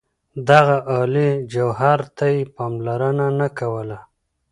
دغه عالي جوهر ته یې پاملرنه نه کوله.